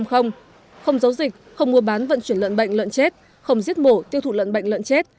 không giấu dịch không mua bán vận chuyển lợn bệnh lợn chết không giết mổ tiêu thụ lợn bệnh lợn chết